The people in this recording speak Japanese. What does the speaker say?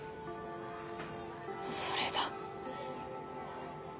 それだ。